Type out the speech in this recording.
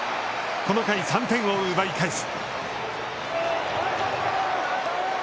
この回３点を奪い返す。